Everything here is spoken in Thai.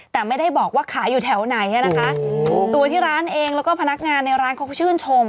แต่ไม่ได้บอกว่าขายอยู่แถวไหนอ่ะนะคะตัวที่ร้านเองแล้วก็พนักงานในร้านเขาก็ชื่นชม